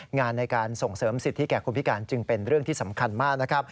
งานในการส่งเสริมสิทธิแก่คนพิการจึงเป็นเรื่องที่สำคัญมากนะครับ